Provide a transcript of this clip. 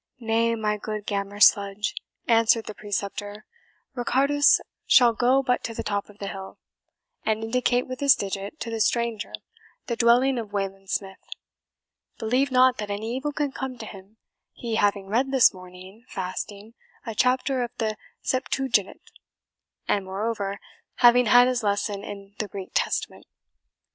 "Nay, my good Gammer Sludge," answered the preceptor, "Ricardus shall go but to the top of the hill, and indicate with his digit to the stranger the dwelling of Wayland Smith. Believe not that any evil can come to him, he having read this morning, fasting, a chapter of the Septuagint, and, moreover, having had his lesson in the Greek Testament."